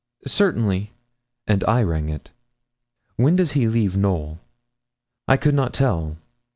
'Certainly;' and I rang it. 'When does he leave Knowl?' I could not tell.